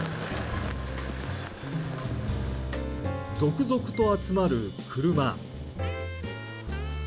続々と集まる車。